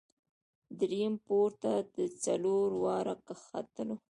درییم پوړ ته څلور واړه ختلو.